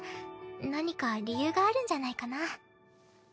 何か理由があるんじゃないかな？